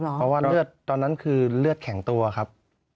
เพราะว่าเลือดตอนนั้นคือเลือดแข็งตัวครับ